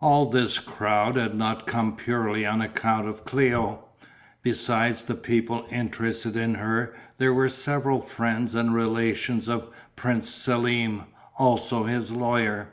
All this crowd had not come purely on account of Cléo. Beside the people interested in her there were several friends and relations of Prince Selm, also his lawyer.